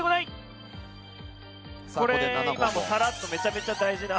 これ今サラッとめちゃめちゃ大事な。